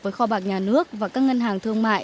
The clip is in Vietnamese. với kho bạc nhà nước và các ngân hàng thương mại